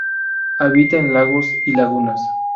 Habita en lagos y lagunas.